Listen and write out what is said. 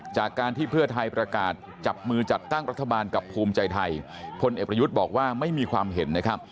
จากการที่เพื่อไทยประกาศจับมือจัดตั้งรัฐบาลกับภูมิใจไทยพลเอกประยุทธ์บอกว่าไม่มีความเห็นนะครับ